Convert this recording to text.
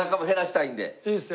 いいですよ。